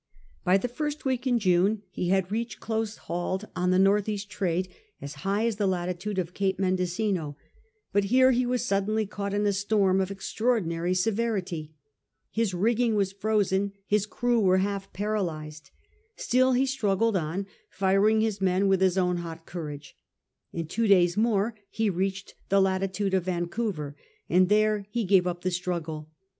By the first week in June he had reached close hauled on the north east trade as high as the lati tude of Cape Mendocino; but here he was suddenly caught in a storm of extraordinary severity. His rigging was frozen, his crew were half paralysed. Still he struggled on, firing his men with his own hot courage. In two days more he reached the latitude of Vancouver, and there he gave up the struggle.